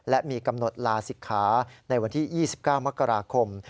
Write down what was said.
และมีกำหนดลาศิกขาในวันที่๒๙มกราคม